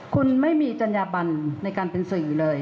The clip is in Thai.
คุณไม่มีจัญญาบันในการเป็นสื่อเลย